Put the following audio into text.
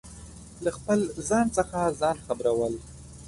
له خپل ځان څخه ځان خبرو ل